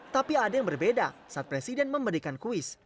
tapi ada yang berbeda saat presiden memberikan kuis